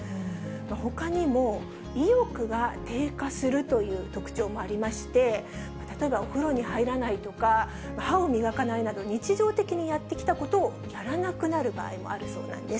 ほかにも、意欲が低下するという特徴もありまして、例えばお風呂に入らないとか、歯を磨かないなど、日常的にやってきたことをやらなくなる場合もあるそうなんです。